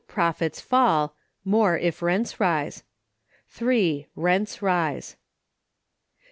Profits fall (more if rents rise). (3.) Rents rise.